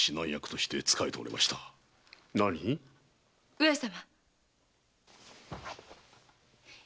上様。